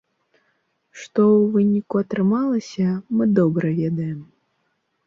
Што ў выніку атрымалася, мы добра ведаем.